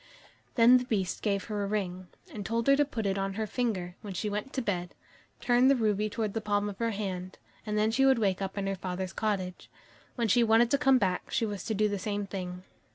Then the Beast gave her a ring, and told her to put it on her finger when she went to bed, turn the ruby towards the palm of her hand, and then she would wake up in her father's cottage. When she wanted to come back, she was to do the same thing.